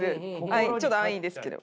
ちょっと安易ですけど。